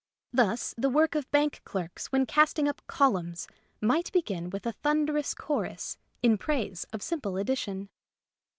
Thus, the work of bank clerks when casting up columns might begin with a thundering chorus in praise of Simple Addition.